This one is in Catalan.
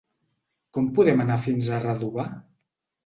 Com podem anar fins a Redovà?